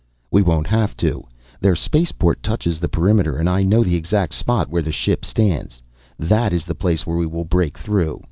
"We won't have to. Their spaceport touches the perimeter, and I know the exact spot where the ship stands. That is the place where we will break through.